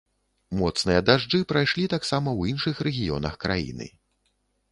Моцныя дажджы прайшлі таксама ў іншых рэгіёнах краіны.